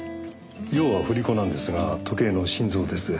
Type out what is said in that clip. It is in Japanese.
要は振り子なんですが時計の心臓です。